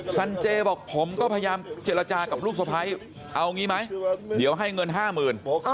สันเจบอกผมก็พยายามเจรจากับลูกสะพ้ายเอางี้ไหมเดี๋ยวให้เงินห้าหมื่น